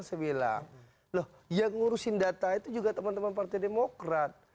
saya bilang loh yang ngurusin data itu juga teman teman partai demokrat